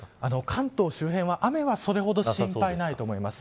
関東周辺は雨はそれほど心配ないと思います。